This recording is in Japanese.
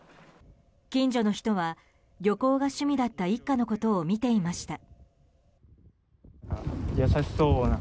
近所の人は旅行が趣味だった一家のことを見ていました。